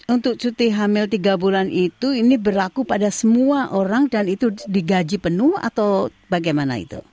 untuk cuti hamil tiga bulan itu ini berlaku pada semua orang dan itu digaji penuh atau bagaimana itu